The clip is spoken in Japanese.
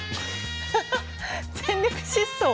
ハハッ全力疾走。